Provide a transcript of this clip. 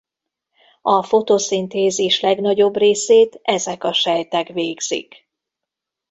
A fotoszintézis legnagyobb részét ezek a sejtek végzik.